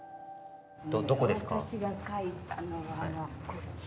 どこですか？